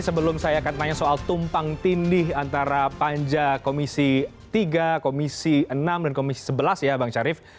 sebelum saya akan tanya soal tumpang tindih antara panja komisi tiga komisi enam dan komisi sebelas ya bang syarif